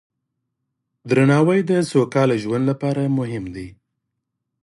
درناوی د سوکاله ژوند لپاره مهم دی.